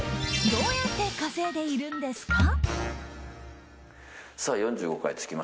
どうやって稼いでいるんですか？